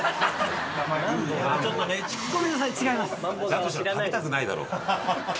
だとしたら食べたくないだろ。